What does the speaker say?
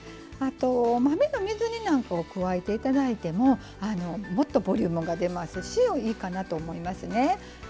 あと豆の水煮なんかを加えて頂いてももっとボリュームが出ますしいいかなと思いますね。